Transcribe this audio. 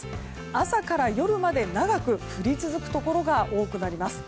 朝から夜まで長く降り続くところが多くなります。